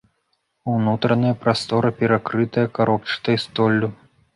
Унутраная прастора перакрытая каробчатай столлю.